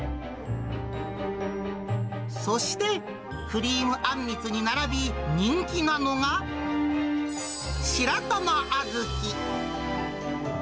そして、クリームあんみつに並び、人気なのが、白玉あずき。